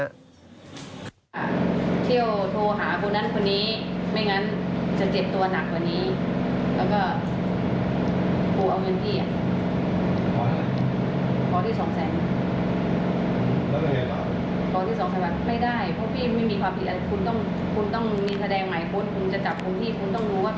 ในวันที่๑ตัวนั้นเขาส่ง๑๙ตัวถูกน้อยประกฏ